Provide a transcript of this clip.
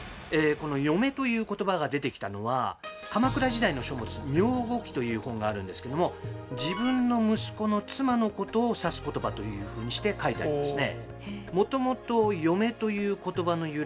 この「嫁」という言葉が出てきたのはという本があるんですけども自分の息子の妻のことを指す言葉というふうにして書いてありますね。